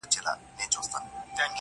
نه مي پل سي څوک په لاره کي میندلای؛